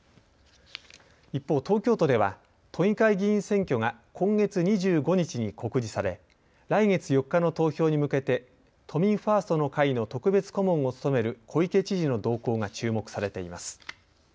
一方、東京都では都議会議員選挙が今月２５日に告示され来月４日の投票に向けて都民ファーストの会の特別顧問を務める小池知事の動向が注目されています。